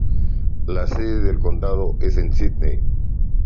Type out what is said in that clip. La sede del condado es Sidney.